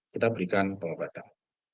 kita berikan pengobatan